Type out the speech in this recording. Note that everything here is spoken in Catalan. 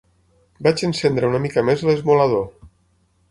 Vaig encendre una mica més l'esmolador.